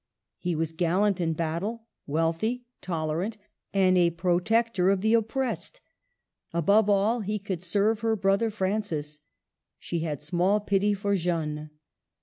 He was gallant in battle, wealthy, tolerant, and a protector of the op pressed. Above all, he could serve her brother Francis. She had small pity for Jeanne.